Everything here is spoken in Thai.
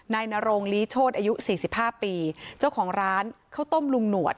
นายนโรงลีโทษอายุสี่สิบห้าปีเจ้าของร้านเขาต้มลุงหนวด